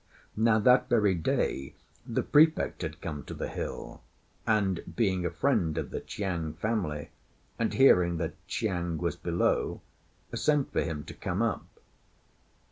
Now that very day the Prefect had come to the hill; and being a friend of the Chiang family, and hearing that Chiang was below, sent for him to come up.